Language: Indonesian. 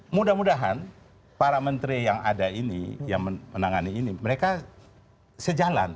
mudah mudahan para menteri yang ada ini yang menangani ini mereka sejalan